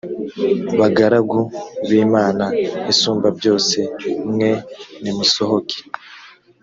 bagaragu b imana isumbabyose mwe nimusohoke